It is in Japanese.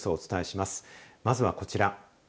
まずはこちら。